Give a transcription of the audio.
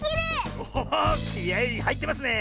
おおおっきあいはいってますね！